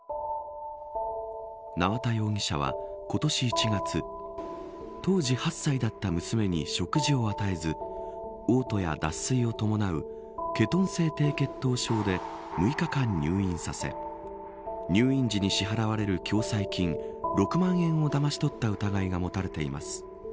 縄田容疑者は今年１月当時８歳だった娘に食事を与えず嘔吐や脱水を伴うケトン性低血糖症で６日間入院させ入院時に支払われる共済金６万円をだまし取った疑いが持たれています。